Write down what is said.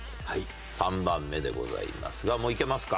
３番目でございますがもういけますか？